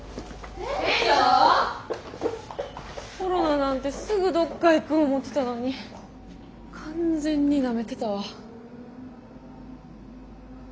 コロナなんてすぐどっか行く思ってたのに完全になめてたわ。